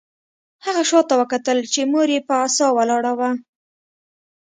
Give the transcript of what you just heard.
هغه شاته وکتل چې مور یې په عصا ولاړه وه